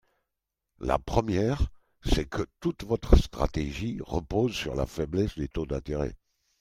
La première, c’est que toute votre stratégie repose sur la faiblesse des taux d’intérêt.